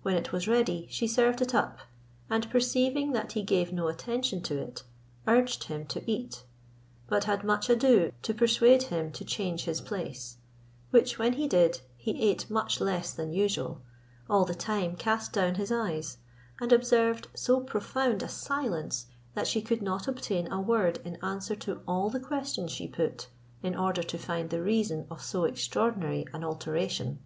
When it was ready, she served it up, and perceiving that he gave no attention to it, urged him to eat, but had much ado to persuade him to change his place; which when he did, he ate much less than usual, all the time cast down his eyes, and observed so profound a silence, that she could not obtain a word in answer to all the questions she put, in order to find the reason of so extraordinary an alteration.